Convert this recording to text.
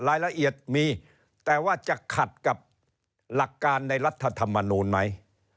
รายละเอียดมีแต่ว่าจะขัดกับหลักการในรัฐธรรมนูลไหม